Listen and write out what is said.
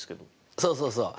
そうそうそう。